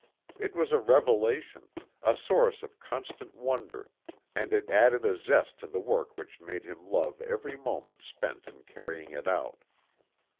It was a revelation, a source of constant wonder, and it added a zest to the work which made him love every moment spent in carrying it out.